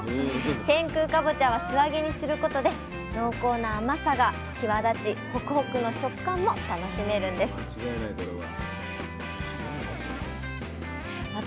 天空かぼちゃは素揚げにすることで濃厚な甘さが際立ちホクホクの食感も楽しめるんです私